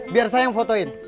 biar saya yang fotoin